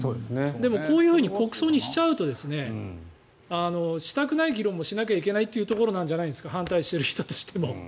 でもこういうふうに国葬にしちゃうとしたくない議論もしなきゃいけないというところなんじゃないですか反対している人も。